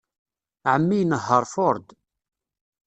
Ɛemmi inehheṛ Ford.